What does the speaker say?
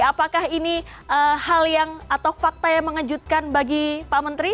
apakah ini hal yang atau fakta yang mengejutkan bagi pak menteri